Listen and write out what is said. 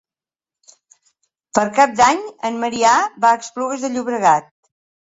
Per Cap d'Any en Maria va a Esplugues de Llobregat.